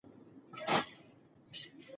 خواږه